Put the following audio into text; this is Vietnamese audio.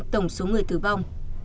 ba mươi sáu ba tổng số người tử vong